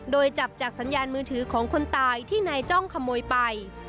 โดยจับจากสัญญาณมือถือของคนตายที่นายจ้องขโมยไป